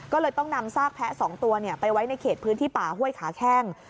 ก็เลยต้องนำซากแพะ๒ตัวไปไว้ในเขตพื้นที่ป่าห้วยขาแข้ง